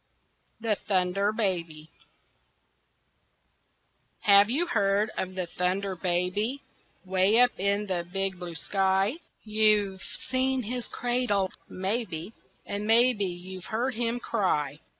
THE THUNDER BABY Have you heard of the Thunder Baby Way up in the big blue sky? You've seen his cradle, maybe, And maybe you've heard him cry.